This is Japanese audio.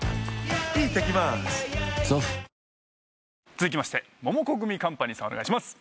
続きましてモモコグミカンパニーさんお願いします。